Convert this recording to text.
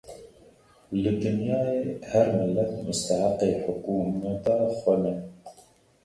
Li dinyayê her milet, musteheqê hikûmeta xwe ne.